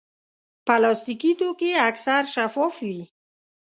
پلاستيکي توکي اکثر شفاف وي.